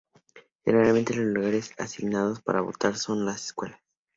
Generalmente, los lugares asignados para votar son las escuelas.